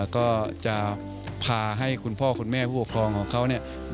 ก็จะพาให้คุณพ่อคุณแม่ผู้ปกครองของเขาเนี่ย